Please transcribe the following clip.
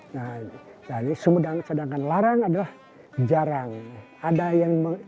nah jadi sumudang sedangkan larang adalah jarang